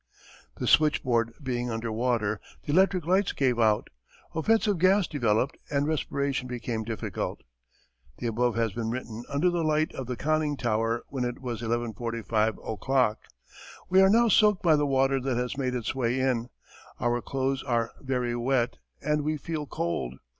The switchboard being under water, the electric lights gave out. Offensive gas developed and respiration became difficult. The above has been written under the light of the conning tower when it was 11.45 o'clock. We are now soaked by the water that has made its way in. Our clothes are very wet and we feel cold.